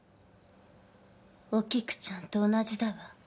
お菊ちゃんと同じだわ。